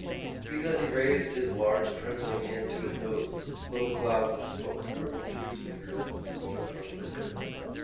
Even as he raised his large trembling hand to his nose little clouds of smoke dribbled through his fingers over the front of his coat.